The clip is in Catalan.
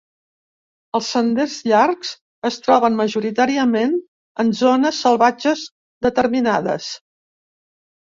Els senders llargs es troben majoritàriament en zones salvatges determinades.